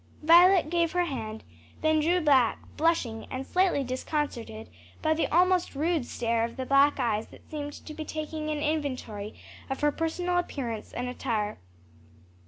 Violet gave her hand, then drew back blushing and slightly disconcerted by the almost rude stare of the black eyes that seemed to be taking an inventory of her personal appearance and attire.